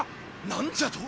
何じゃと！？